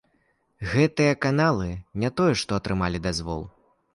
Гэтыя каналы не тое, што атрымалі дазвол.